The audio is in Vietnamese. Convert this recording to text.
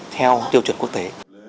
theo tiêu chuẩn quốc tế